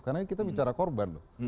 karena kita bicara korban